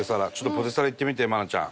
ポテサラいってみて愛菜ちゃん。